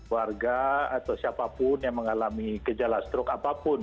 warga atau siapapun yang mengalami gejala strok apapun